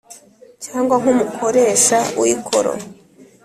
Cyangwa nk umukoresha w ikoro